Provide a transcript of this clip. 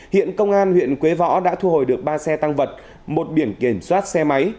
hiện công an huyện quế võ đã thu hồi được ba xe tăng vật một biển kiểm soát xe máy